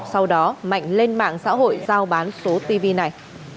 sau đó mạnh lên mạng xã hội giao bán số tv này